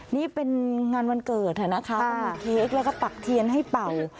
นี่เป็นงานวันเกิดนะคะก็มีเค้กแล้วก็ปักเทียนให้เป่า